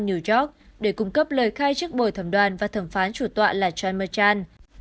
new york để cung cấp lời khai trước bồi thẩm đoàn và thẩm phán chủ tọa là john merchant